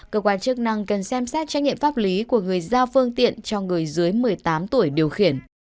cơ quan chức năng cần xem xét trách nhiệm pháp lý của người giao phương tiện cho người dưới một mươi tám tuổi điều khiển